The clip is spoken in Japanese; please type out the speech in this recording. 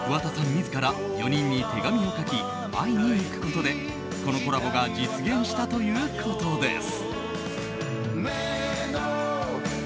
自ら４人に手紙を書き会いに行くことでこのコラボが実現したということです。